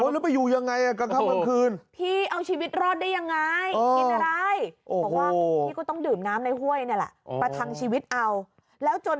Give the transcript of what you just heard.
แล้วไปอยู่ยังไงกันครับเมื่อคืน